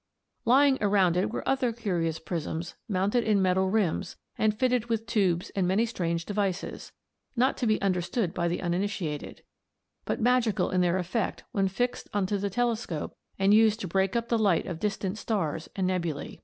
Lying around it were other curious prisms mounted in metal rims and fitted with tubes and many strange devices, not to be understood by the uninitiated, but magical in their effect when fixed on to the telescope and used to break up the light of distant stars and nebulæ.